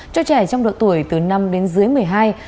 cho trẻ trong độ tuổi từ năm đến dưới một mươi hai